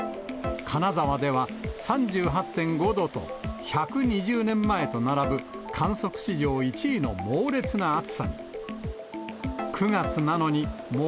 金沢では３８．５度と、１２０年前と並ぶ観測史上１位の猛烈な暑さに。